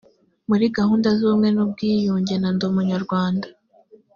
muri gahunda z’ubumwe n’ubwiyunge na ndi umunyarwanda